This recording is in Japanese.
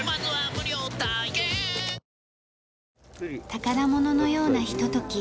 宝物のようなひととき。